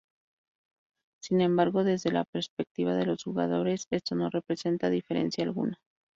Sin embargo, desde la perspectiva de los jugadores esto no representa diferencia alguna.